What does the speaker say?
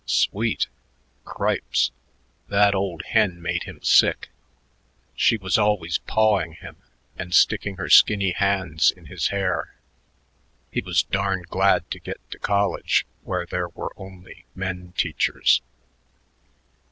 Sweet! Cripes, that old hen made him sick. She was always pawing him and sticking her skinny hands in his hair. He was darn glad to get to college where there were only men teachers.